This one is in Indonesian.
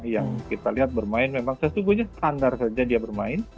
yang kita lihat bermain memang sesungguhnya standar saja dia bermain